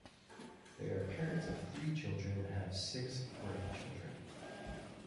They are parents of three children and have six grandchildren.